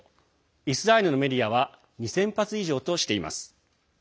イスラエルのメディアは２０００発以上としています。